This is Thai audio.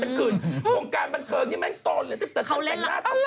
ต้องทำการแสดงนอนก็ไม่ใช่ต่างจากดาราที่มันทุก